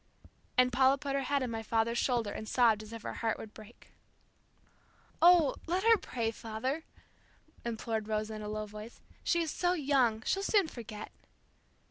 And Paula put her head on my father's shoulder and sobbed as if her heart would break. "Oh, let her pray, father," implored Rosa in a low voice. "She is so young, she'll soon forget."